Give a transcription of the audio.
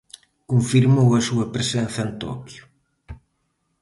Confirmou a súa presenza en Toquio.